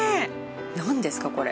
何ですかこれ。